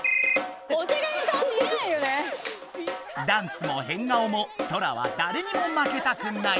ダンスも変顔もソラはだれにも負けたくない！